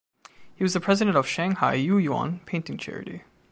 He was the president of Shanghai Yuyuan Painting Charity.